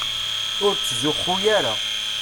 Ur ttzuxxu ara.